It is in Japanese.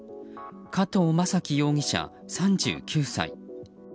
加藤政樹容疑者、３９歳。